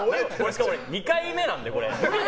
しかも２回目なんで、これ。